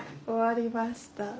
終わりました。